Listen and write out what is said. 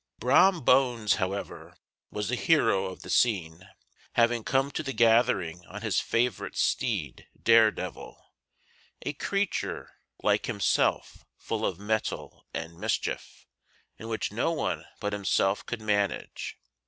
Brom Bones, however, was the hero of the scene, having come to the gathering on his favorite steed Daredevil a creature, like himself full of metal and mischief, and which no one but himself could manage.